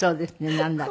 なんだか。